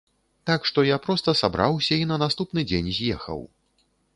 Так што я проста сабраўся і на наступны дзень з'ехаў.